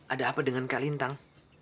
ada apa dengan kak lintang